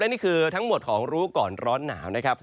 นี่คือทั้งหมดของรู้ก่อนร้อนหนาวนะครับ